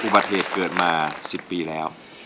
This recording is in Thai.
อุปเทศเกิดมา๑๐ปีแล้ว